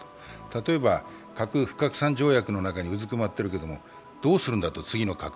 例えば核不拡散条約の中にうずくまっているけれども、次の核についてどうするんだと。